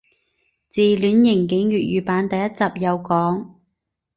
自戀刑警粵語版第一集有講